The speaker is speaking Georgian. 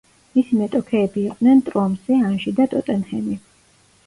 მისი მეტოქეები იყვნენ „ტრომსე“, „ანჟი“ და „ტოტენჰემი“.